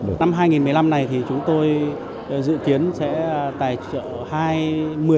năm hai nghìn một mươi năm này thì chúng tôi dự kiến sẽ tài trợ một mươi hai xe đạp cho trẻ em nghèo vượt khó học giỏi